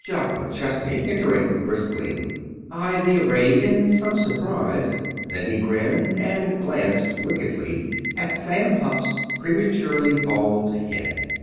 Jock McChesney, entering briskly, eyed the array in some surprise. Then he grinned, and glanced wickedly at Sam Hupp's prematurely bald head.